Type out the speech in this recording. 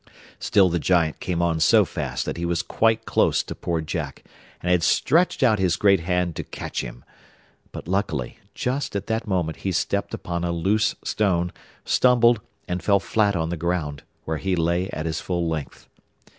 Still the Giant came on so fast that he was quite close to poor Jack, and had stretched out his great hand to catch him. But, luckily, just at that moment he stepped upon a loose stone, stumbled, and fell flat on the ground, where he lay at his full length.